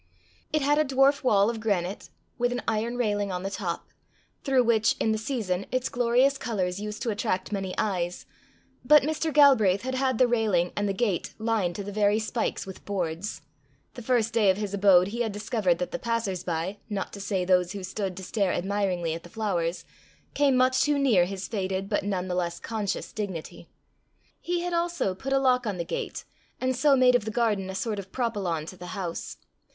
It had a dwarf wall of granite, with an iron railing on the top, through which, in the season, its glorious colours used to attract many eyes, but Mr. Galbraith had had the railing and the gate lined to the very spikes with boards: the first day of his abode he had discovered that the passers by not to say those who stood to stare admiringly at the flowers, came much too near his faded but none the less conscious dignity. He had also put a lock on the gate, and so made of the garden a sort of propylon to the house.